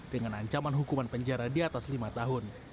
sejarah di atas lima tahun